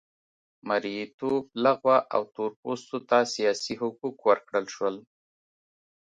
مریتوب لغوه او تور پوستو ته سیاسي حقوق ورکړل شول.